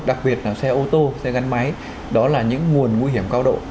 đặc biệt là xe ô tô xe gắn máy đó là những nguồn nguy hiểm cao độ